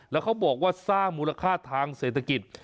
แล้วเขาบอกว่าสร้างมูลค่าทางเศรษฐกิจ